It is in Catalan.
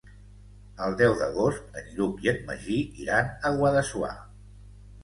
El deu d'agost en Lluc i en Magí iran a Guadassuar.